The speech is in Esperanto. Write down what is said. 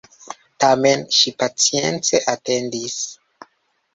Tamen ŝi pacience atendis.